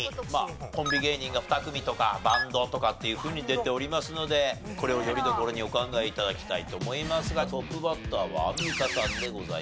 コンビ芸人が２組とかバンドとかっていうふうに出ておりますのでこれをよりどころにお考え頂きたいと思いますがトップバッターはアンミカさんでございます。